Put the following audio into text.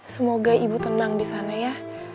semoga ibu tenang di sana ya